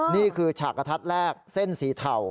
นี่คือฉากกระทัดแรกเส้นสีเทา